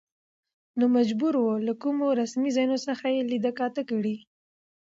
نو مجبور و، چې له کومو رسمي ځايونو څخه يې ليده کاته کړي.